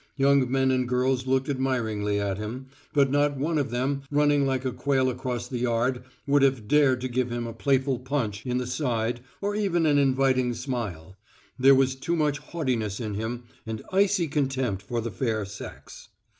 Young men and girls looked admiringly at him, but not one of them running like a quail across the yard would have dared to give him a playful punch in the side or even an inviting smile there was too much haughtiness in him and icy contempt for the fair sex.